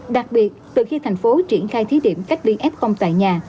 đặc biệt từ khi thành phố triển khai thí điểm cách ly f tại nhà